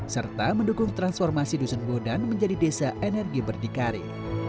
serta mendukung transformasi dusun bodan menjadi desa energi berdikari